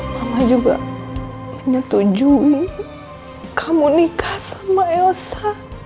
mama juga nyetujui kamu nikah sama elsa